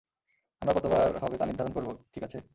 আমরা কত বার হবে তা নির্ধারণ করব, ঠিক আছে?